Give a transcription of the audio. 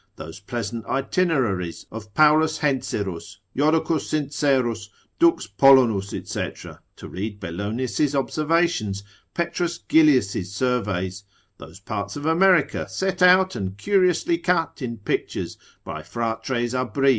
those pleasant itineraries of Paulus Hentzerus, Jodocus Sincerus, Dux Polonus, &c., to read Bellonius' observations, P. Gillius his surveys; those parts of America, set out, and curiously cut in pictures, by Fratres a Bry.